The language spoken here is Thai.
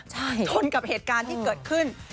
ชนกับเหตุการณ์ที่เกิดขึ้น